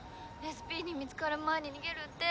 ＳＰに見つかる前に逃げるって。